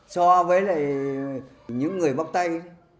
so với những người bóc tay